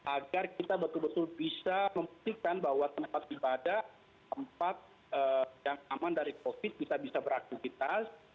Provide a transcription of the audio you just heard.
agar kita betul betul bisa memastikan bahwa tempat ibadah tempat yang aman dari covid bisa bisa beraktivitas